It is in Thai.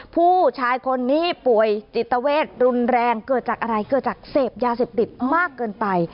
ผู้ชายคนนี้ป่วยจิตเวทรุนแรงเกิดจากอะไรเกิดจากเสพยาเสพติดมากเกินไป